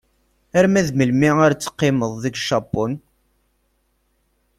Arma d melmi ara teqqimeḍ deg Japun?